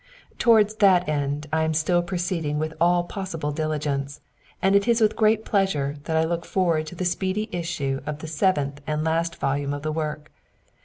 Towards that end I am still proceeding with all possible diligence, and it is with g^eat pleasure that I look forward to the speedy issue of the seventh and last volume of the work.